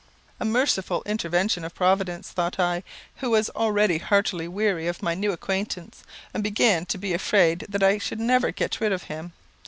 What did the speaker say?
"A merciful intervention of providence," thought I, who was already heartily weary of my new acquaintance, and began to be afraid that I never should get rid of him.